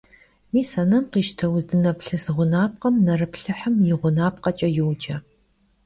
Mis a nem khişte, vuzdıneplhıs ğunapkhem nerıplhıhım yi ğunapkheç'e yoce.